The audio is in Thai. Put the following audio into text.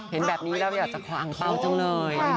เห็นแบบนี้แล้วอยากจะขวางเปล่าจังเลย